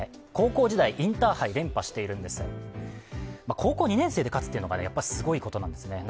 高校２年生で勝つっていうことがすごいことなんですね。